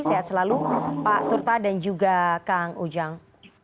sehat selalu pak surta dan juga kang ujang